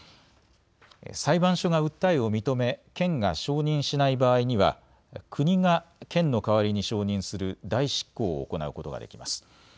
裁判所が訴えを認め県が承認しない場合には国が県の代わりに承認する代執行を行うことができます。